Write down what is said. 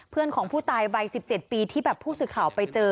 เพื่อนของผู้ตายวัย๑๗ปีที่แบบผู้สื่อข่าวไปเจอ